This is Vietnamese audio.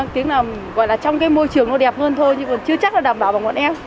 tiếng là gọi là trong cái môi trường nó đẹp hơn thôi nhưng còn chưa chắc là đảm bảo bằng bọn em